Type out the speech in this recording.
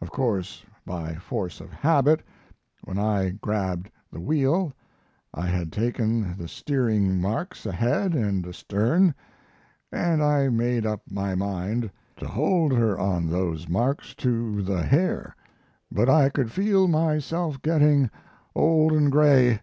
Of course, by force of habit, when I grabbed the wheel, I had taken the steering marks ahead and astern, and I made up my mind to hold her on those marks to the hair; but I could feel myself getting old and gray.